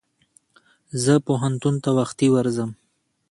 زه پوهنتون ته وختي ورځم.